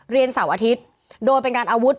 เสาร์อาทิตย์โดยเป็นการอาวุธ